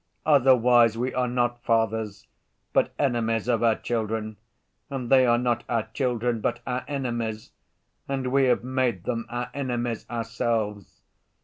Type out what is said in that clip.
Otherwise we are not fathers, but enemies of our children, and they are not our children, but our enemies, and we have made them our enemies ourselves.